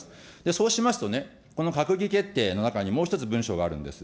そうしますとね、この閣議決定の中にもう１つ文書があるんです。